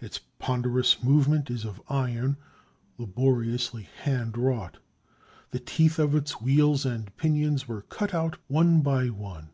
Its ponderous movement is of iron, laboriously hand wrought; the teeth of its wheels and pinions were cut out one by one.